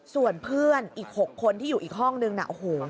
ส่วนเพื่อนอีก๖คนที่อยู่อีกห้องหนึ่งนะ